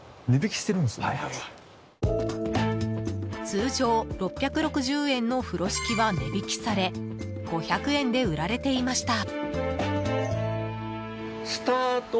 通常６６０円の風呂敷は値引きされ５００円で売られていました。